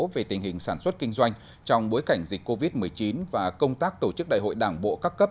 về tình hình sản xuất kinh doanh trong bối cảnh dịch covid một mươi chín và công tác tổ chức đại hội đảng bộ các cấp